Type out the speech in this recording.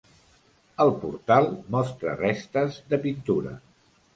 El portal mostra restes de pintura.